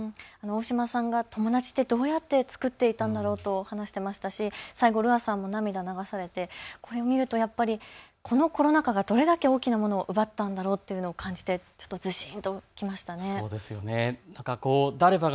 大嶋さんが友達ってどうやって作っていたんだろうと話していましたし最後、Ｒｕａさんも涙を流されていて、見るとこのコロナ禍がどれだけ大きなものだったんだろうと感じてちょっとずしんときましたね。